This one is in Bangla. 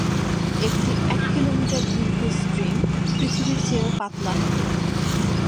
একটি এক কিলোমিটার দীর্ঘ স্ট্রিং পৃথিবীর চেয়েও পাতলা হবে।